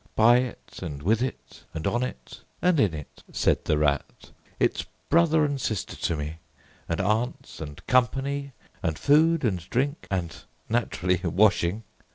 "By it and with it and on it and in it," said the Rat. "It's brother and sister to me, and aunts, and company, and food and drink, and (naturally) washing.